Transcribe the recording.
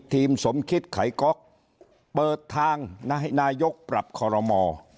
ทีมสมคิดไข่ก๊อกเปิดทางนายกปรับขอรมอ